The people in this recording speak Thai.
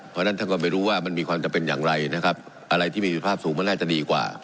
เพราะฉะนั้นท่านก็ไม่รู้ว่ามันมีความจำเป็นอย่างไรนะครับอะไรที่มีสุขภาพสูงมันน่าจะดีกว่า